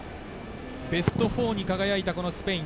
ベスト４に輝いたスペイン。